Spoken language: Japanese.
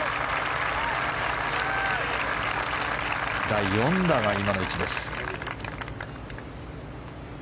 第４打が今の位置です。